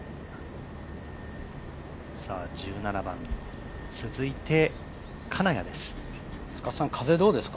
１７番、続いて金谷です。